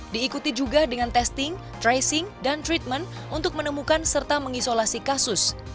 diikuti juga dengan testing tracing dan treatment untuk menemukan serta mengisolasi kasus